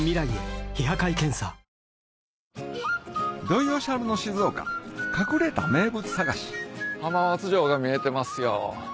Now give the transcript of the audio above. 土井善晴の静岡隠れた名物探し浜松城が見えてますよ。